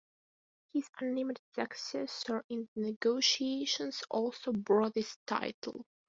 His unnamed successor in the negotiations also bore this title.